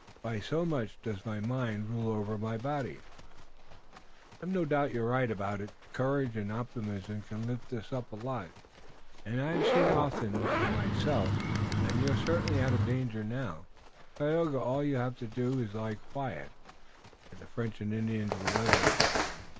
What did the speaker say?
By so much does my mind rule over my body." "I've no doubt you're right about it. Courage and optimism can lift us up a lot, as I've seen often for myself, and you're certainly out of danger now, Tayoga. All you have to do is to lie quiet, if the French and Indians will let us.